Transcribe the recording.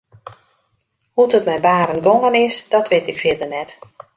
Hoe't it mei Barend gongen is dat wit ik fierder net.